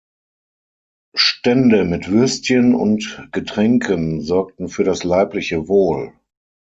Stände mit Würstchen und Getränken sorgten für das leibliche Wohl.